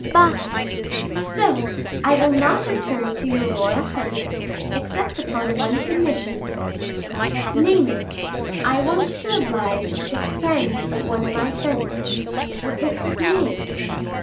"Bah!" "So, I will not return to your royal highness, except upon one condition." "Name it." "I want to oblige the friend of one of my friends." "What's his name?"